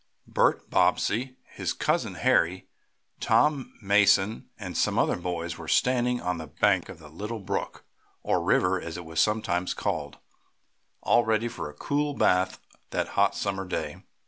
Bert Bobbsey, his cousin Harry, Tom Mason and some other boys were standing on the bank of the little brook, or river, as it was sometimes called, all ready for a cool bath that hot summer day.